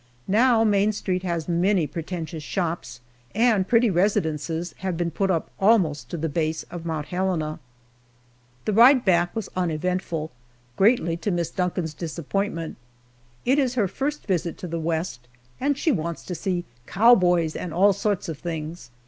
Now Main street has many pretentious shops, and pretty residences have been put up almost to the base of Mount Helena. The ride back was uneventful, greatly to Miss Duncan's disappointment. It is her first visit to the West, and she wants to see cowboys and all sorts of things.